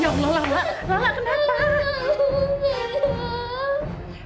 ya allah lala lala kenapa